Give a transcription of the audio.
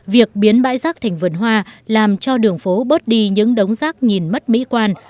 việc biến bãi rác thành vườn hoa làm cho đường phố bớt đi những đống rác nhìn mất mỹ quan